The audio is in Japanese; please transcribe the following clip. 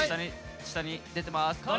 今下に出てます。